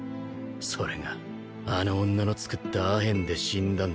それがあの女の作ったアヘンで死んだんだ。